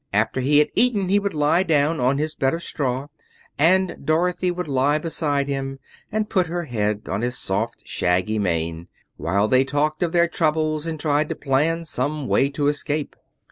After he had eaten he would lie down on his bed of straw, and Dorothy would lie beside him and put her head on his soft, shaggy mane, while they talked of their troubles and tried to plan some way to escape.